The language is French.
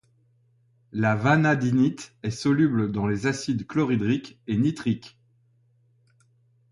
La vanadinite est soluble dans les acides chlorhydrique et nitrique.